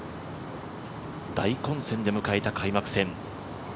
大混戦で迎えた開幕戦。